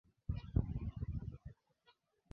Nilikuwa nimetafuta kitabu hicho kwa muda mrefu.